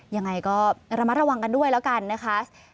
ยังไงก็ระมัดระวังกันด้วยแล้วกันนะคะ